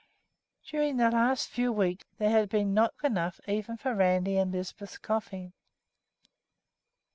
During the last few weeks there had not been milk enough even for Randi's and Lisbeth's coffee.